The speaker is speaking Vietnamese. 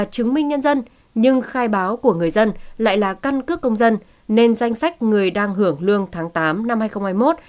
chứng minh nhân dân nhưng khai báo của người dân lại là căn cước công dân nên danh sách người đang hưởng lương tháng tám năm hai nghìn hai mươi một